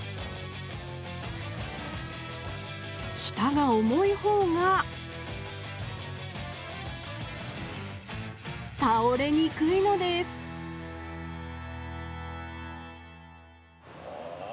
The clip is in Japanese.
下が重い方がたおれにくいのですあ